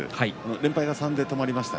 連敗が３で止まりました。